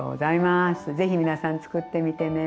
ぜひ皆さんつくってみてね。